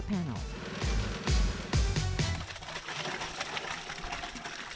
pertamina dan desa walahar